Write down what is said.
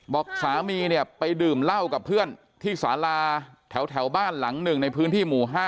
บอกสามีเนี่ยไปดื่มเหล้ากับเพื่อนที่สาราแถวบ้านหลังหนึ่งในพื้นที่หมู่๕